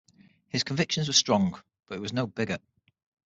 His convictions were strong, but he was no bigot.